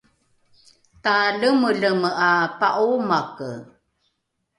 talemeleme ’a pa’oomake